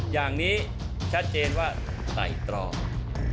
อย่างนี้ชัดเจนว่าไต่ตรอง